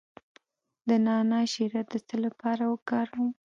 د نعناع شیره د څه لپاره وکاروم؟